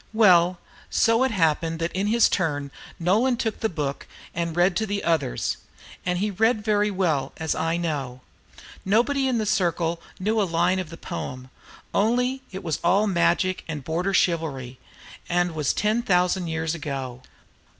Well, so it happened that in his turn Nolan took the book and read to the others; and he read very well, as I know. Nobody in the circle knew a line of the poem, only it was all magic and Border chivalry, and was ten thousand years ago.